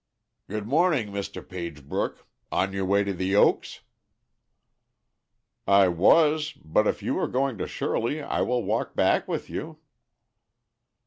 "Good morning, Mr. Pagebrook. On your way to The Oaks?" "I was, but if you are going to Shirley I will walk back with you!"